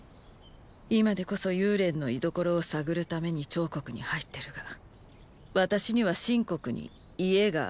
今でこそ幽連の居所を探るために趙国に入ってるが私には秦国に家がある。